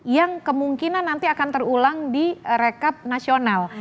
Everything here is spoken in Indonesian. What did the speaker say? yang kemungkinan nanti akan terulang di rekap nasional